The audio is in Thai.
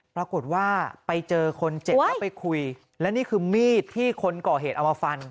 ปรากฏว่าไปเจอคนเจ็บแล้วไปคุยและนี่คือมีดที่คนก่อเหตุเอามาฟัน